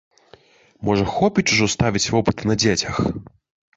Можа, хопіць ужо ставіць вопыты на дзецях?